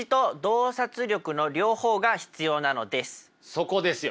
そこですよ。